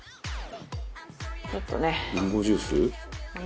ちょっとね。